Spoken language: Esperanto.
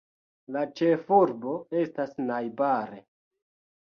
La ĉefurbo estas najbare.